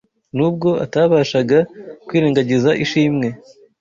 nubwo atabashaga kwirengagiza ishimwe